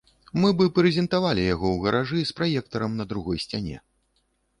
Мы б і прэзентавалі яго ў гаражы, з праектарам на другой сцяне.